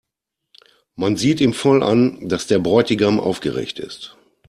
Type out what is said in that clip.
Man sieht ihm voll an, dass der Bräutigam aufgeregt ist.